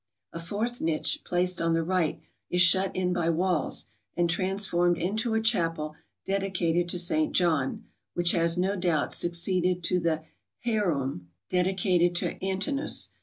A fourth niche, placed on tlie riglit, is sliut in by walls, and transformed into a chapel dedicated to St. John, which has, no doubt, succeeded to the Heroiim* dedicated to iVntinoiis.